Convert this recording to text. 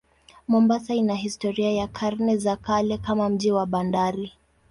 Mombasa ina historia ya karne za kale kama mji wa bandari.